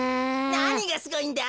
なにがすごいんだ？